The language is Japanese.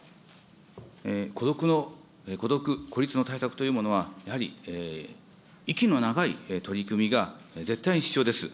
孤独の、孤独・孤立の対策というのは、やはり息の長い取り組みが絶対に必要です。